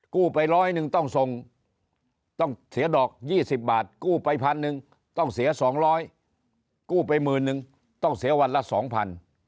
กู้ไปร้อยหนึ่งต้องส่งต้องเสียดอก๒๐บาทกู้ไปพันหนึ่งต้องเสีย๒๐๐กู้ไปหมื่นนึงต้องเสียวันละสองพัน